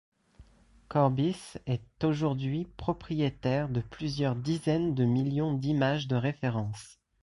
Corbis est aujourd'hui propriétaire de plusieurs dizaines de millions d'images de référence.